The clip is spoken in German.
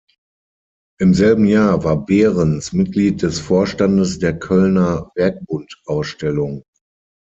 Im selben Jahr war Behrens Mitglied des Vorstandes der Kölner Werkbundausstellung.